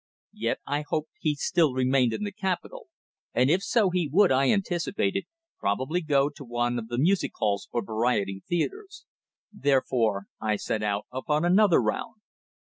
Yet I hoped he still remained in the capital, and if so he would, I anticipated, probably go to one of the music halls or variety theatres. Therefore I set out upon another round.